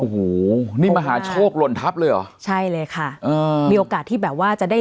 โอ้โหนี่มหาโชคหล่นทัพเลยเหรอใช่เลยค่ะเออมีโอกาสที่แบบว่าจะได้